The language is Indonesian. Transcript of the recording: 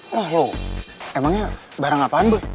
wah lu emangnya barang apaan boy